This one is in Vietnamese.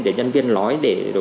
để nhân viên nói